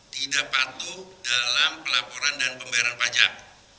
tidak patuh dalam pelaporan dan pembayaran pajak